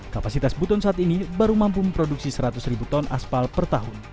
kapasitas buton saat ini baru mampu memproduksi seratus ribu ton aspal per tahun